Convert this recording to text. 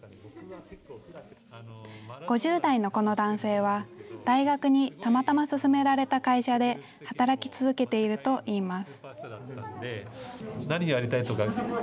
５０代のこの男性は、大学にたまたま勧められた会社で働き続けているといいます。